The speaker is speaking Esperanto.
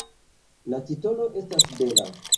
La titolo estas bela.